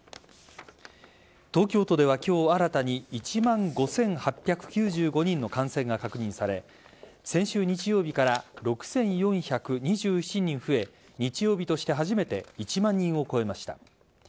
東京都では今日新たに１万５８９５人の感染が確認され先週日曜日から６４２７人増え日曜日として初めて１万人を超えました。